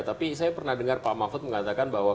tapi saya pernah dengar pak mahfud mengatakan bahwa